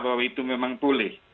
bahwa itu memang boleh